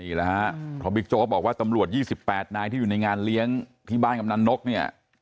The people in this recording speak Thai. นี่แหละฮะเพราะบิ๊กโจ๊กบอกว่าตำรวจ๒๘นายที่อยู่ในงานเลี้ยงที่บ้านกำนันนกเนี่ย